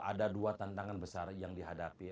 ada dua tantangan besar yang dihadapi